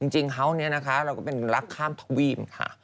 เฮาส์นี้นะคะเราก็เป็นรักข้ามทวีปค่ะ